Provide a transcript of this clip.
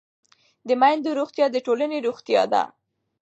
د میندو روغتیا د ټولنې روغتیا ده.